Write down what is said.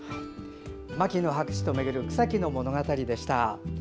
「牧野博士とめぐる草木の物語」でした。